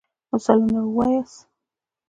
مثالونه يي ووایاست.